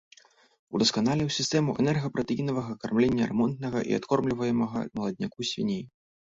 Удасканаліў сістэму энерга-пратэінавага кармлення рэмонтнага і адкормліваемага маладняку свіней.